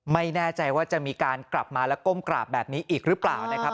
ไม่แน่ใจว่าจะมีการกลับมาแล้วก้มกราบแบบนี้อีกหรือเปล่านะครับ